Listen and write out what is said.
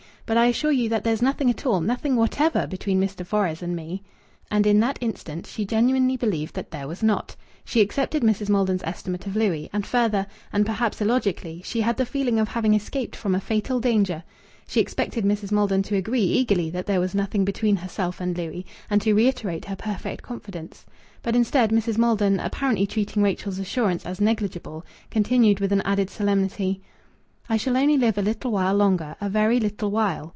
"But I assure you that there's nothing at all, nothing whatever, between Mr. Fores and me." And in that instant she genuinely believed that there was not. She accepted Mrs. Maldon's estimate of Louis. And further, and perhaps illogically, she had the feeling of having escaped from a fatal danger. She expected Mrs. Maldon to agree eagerly that there was nothing between herself and Louis, and to reiterate her perfect confidence. But, instead, Mrs. Maldon, apparently treating Rachel's assurance as negligible, continued with an added solemnity "I shall only live a little while longer a very little while."